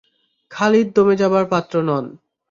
খালিদ দমে যাবার পাত্র নন।